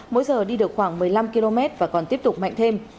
mỗi giờ đi được khoảng một mươi năm km và còn tiếp tục mạnh thêm